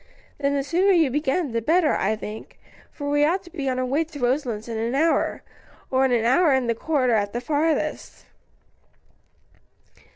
"Then the sooner you begin, the better, I think, for we ought to be on our way to Roselands in an hour, or an hour and a quarter at the farthest."